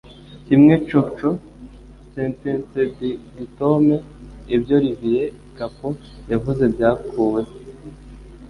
Kimwe coco, [sentencedictcom] Ibyo Olivier Kapo yavuze byakuweho